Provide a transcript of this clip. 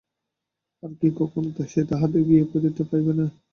আর কি কখনও সে তাহাদের গায়ে ফিরিতে পাইবে না?